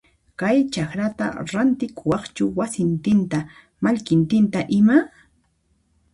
Kay chakrata rantikuwaqchu wasintinta mallkintinta ima?